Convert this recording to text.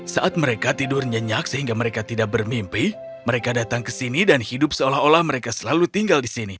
saat mereka tidur nyenyak sehingga mereka tidak bermimpi mereka datang ke sini dan hidup seolah olah mereka selalu tinggal di sini